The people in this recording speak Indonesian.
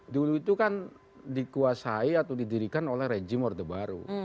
dulu itu kan dikuasai atau didirikan oleh rejim wardabaru